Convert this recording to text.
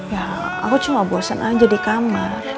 ya aku cuma bosan aja di kamar